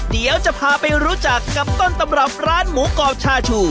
เดี๋ยวจะพาไปรู้จักกับต้นตำรับร้านหมูกรอบชาชู